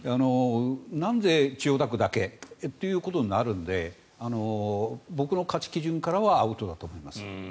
なんで千代田区だけということになるので僕の価値基準からはアウトだと思います。